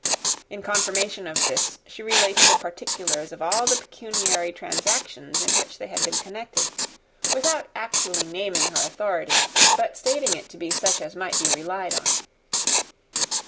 In confirmation of this, she related the particulars of all the pecuniary transactions in which they had been connected, without actually naming her authority, but stating it to be such as might be relied on.